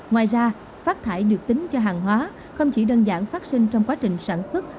ngoài ra phát thải được tính cho hàng hóa không chỉ đơn giản phát sinh trong quá trình sản xuất